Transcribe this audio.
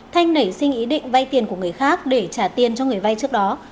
thanh nảy sinh ý định vay tiền của người khác để trả tiền cho người vay trước đó